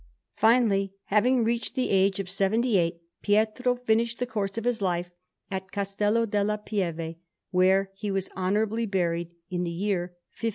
Finally, having reached the age of seventy eight, Pietro finished the course of his life at Castello della Pieve, where he was honourably buried, in the year 1524.